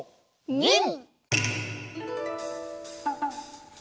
ニン！